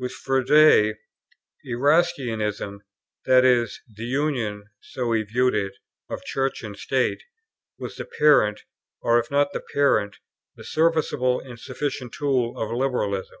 With Froude, Erastianism, that is, the union (so he viewed it) of Church and State, was the parent, or if not the parent, the serviceable and sufficient tool, of liberalism.